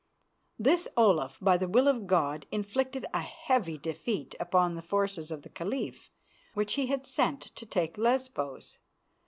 This Olaf, by the will of God, inflicted a heavy defeat upon the forces of the Caliph which he had sent to take Lesbos.